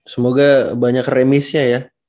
semoga banyak remisnya ya